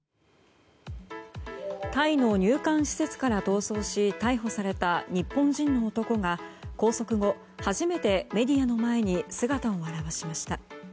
タイの入管施設から逃走し逮捕された日本人の男が拘束後初めてメディアの前に姿を現しました。